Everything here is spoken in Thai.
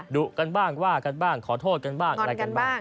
ดุกันบ้างว่ากันบ้างขอโทษกันบ้างอะไรกันบ้าง